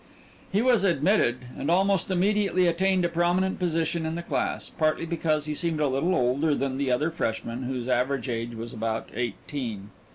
He was admitted, and almost immediately attained a prominent position in the class, partly because he seemed a little older than the other freshmen, whose average age was about eighteen.